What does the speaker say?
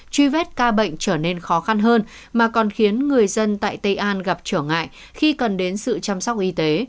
truy vết ca bệnh trở nên khó khăn hơn mà còn khiến người dân tại tây an gặp trở ngại khi cần đến sự chăm sóc y tế